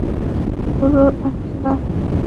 পুরো এক লাখ!